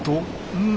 うん。